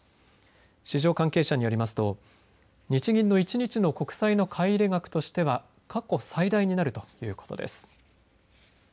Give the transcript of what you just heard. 市場関係者によりますと日銀の１日の国債の買い入れ額としては過去最大になるということです。